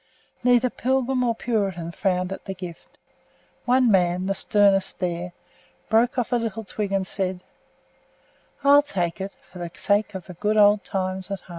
Neither Pilgrim nor Puritan frowned at the gift. One man, the sternest there, broke off a little twig and said: "I'll take it for the sake of the good old times at home."